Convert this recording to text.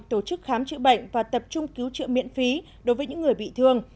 tổ chức khám chữa bệnh và tập trung cứu trợ miễn phí đối với những người bị thương